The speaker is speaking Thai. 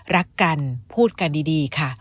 รักกันพูดกันดีค่ะ